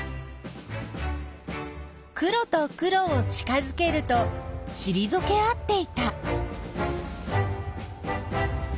黒と黒を近づけるとしりぞけ合っていた。